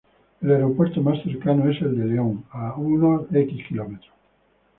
El aeropuerto más cercano es el de León, a unos